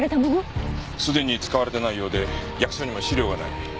すでに使われてないようで役所にも資料がない。